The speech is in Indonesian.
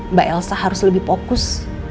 mbak elsa harus lebih fokus